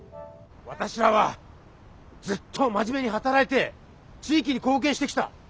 私らはずっと真面目に働いて地域に貢献してきた。